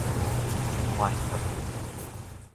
橫腸